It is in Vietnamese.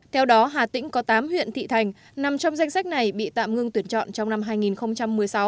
theo đó hà tĩnh có tám huyện thị thành nằm trong danh sách này bị tạm ngưng tuyển chọn trong năm hai nghìn một mươi sáu